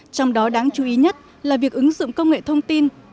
trong đó đáng chú ý nhất là việc ứng dụng công nghệ thông tin